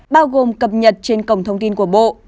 bao gồm cập nhật trên cổng thông tin của bộ